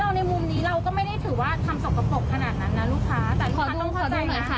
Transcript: อันนี้คือเราก็ไม่ได้เข้าใจว่าลูกค้าต้องการอะไรนะคะ